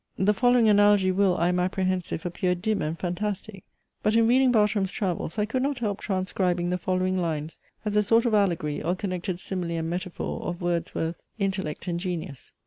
The following analogy will, I am apprehensive, appear dim and fantastic, but in reading Bartram's Travels I could not help transcribing the following lines as a sort of allegory, or connected simile and metaphor of Wordsworth's intellect and genius.